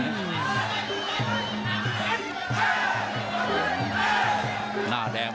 หน้าแดงไหมครับมีมิดเต็มหน้าแบบนี้